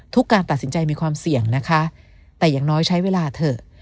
การตัดสินใจมีความเสี่ยงนะคะแต่อย่างน้อยใช้เวลาเถอะ